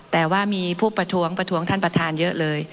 แต่ว่ามีผู้ประท้วงประท้วงท่านประธานเยอะเลย